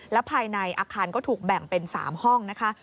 และภายในอาคารก็ถูกแบ่งเป็น๓ห้องนะคะ